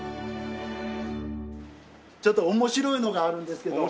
ちょっと面白いのがあるんですけど。